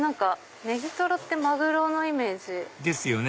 ネギトロってマグロのイメージ。ですよね